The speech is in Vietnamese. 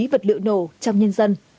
vật liệu nổ trong nhân dân